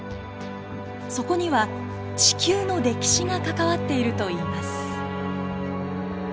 そこには地球の歴史が関わっているといいます。